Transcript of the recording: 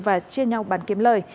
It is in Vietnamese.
và chia nhau bán kiếm lời